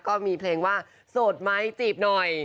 ก็มีเพลงว่าโสดไหมจีบหน่อย